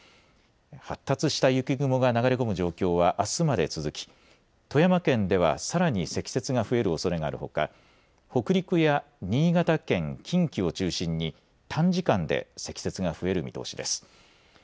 発達した雪雲が流れ込む状況はあすまで続き富山県では、さらに積雪が増えるおそれがあるほか北陸や新潟県、近畿を中心に短時間で積雪が増える見通しです。